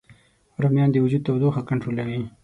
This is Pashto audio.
رومیان د وجود تودوخه کنټرولوي